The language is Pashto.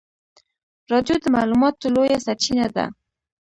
رادیو د معلوماتو لویه سرچینه ده.